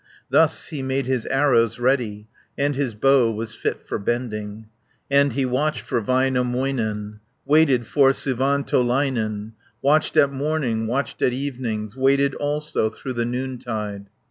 Thus he made his arrows ready, And his bow was fit for bending, 60 And he watched for Väinämöinen, Waited for Suvantolainen, Watched at morning, watched at evenings Waited also through the noontide.